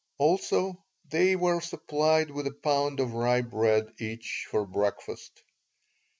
Also, they were supplied with a pound of rye bread each for breakfast.